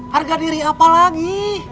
harga diri apalagi